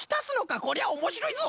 こりゃおもしろいぞ！